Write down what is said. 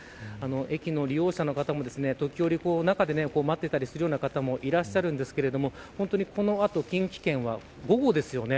駅の利用者の方も時折、中で待っていたりする方もいらっしゃいますがこの後、近畿圏は午後ですよね。